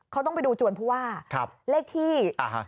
เขาต้องไปดูจวนภูวาเลขที่๙๙๑๑